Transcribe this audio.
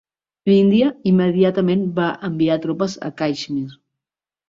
L'Índia immediatament va enviar tropes a Caixmir.